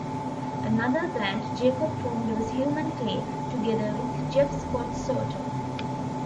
Another band Jacob formed was Human Clay, together with Jeff Scott Soto.